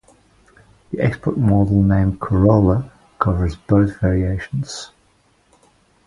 The export model name Corolla covers both variations.